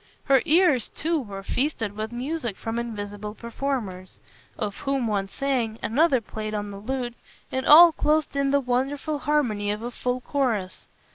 Her ears too were feasted with music from invisible performers; of whom one sang, another played on the lute, and all closed in the wonderful harmony of a full chorus.